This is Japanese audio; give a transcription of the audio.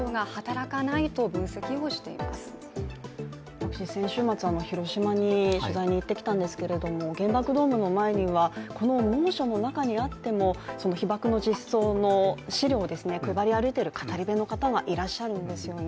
私、先週末、広島に取材に行ってきたんですけれども、原爆ドームの前にはこの猛暑の中にあってもその被爆の資料を配り歩いている語り部の方がいらっしゃるんですよね。